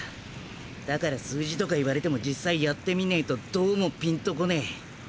だから数字とか言われても実際やってみねえとどうもピンとこねえ。